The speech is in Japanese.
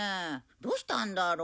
どうしたんだろう？